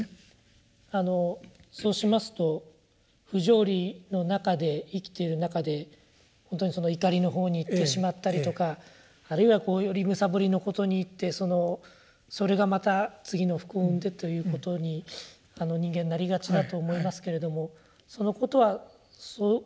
そうしますと不条理の中で生きている中でほんとにその瞋りの方に行ってしまったりとかあるいはより貪りのことにいってそれがまた次の不幸を生んでということに人間なりがちだと思いますけれどもそのことはそのまま進んでいってもよいのだという。